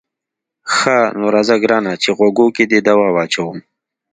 ښه نو راځه ګرانه چې غوږو کې دې دوا واچوم.